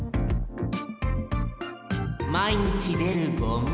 まいにちでるゴミ。